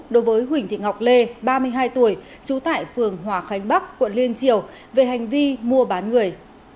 đối với huỳnh thị ngọc lê ba mươi hai tuổi trú tại phường hòa khánh bắc quận liên triều về hành vi mua bán người